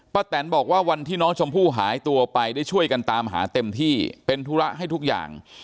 แตนบอกว่าวันที่น้องชมพู่หายตัวไปได้ช่วยกันตามหาเต็มที่เป็นธุระให้ทุกอย่าง